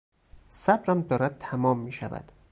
صبرم دارد تمام میشود.